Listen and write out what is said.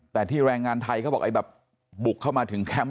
แต่ที่แรงงานไทยเขาบอกไอ้แบบบุกเข้ามาถึงแคมป์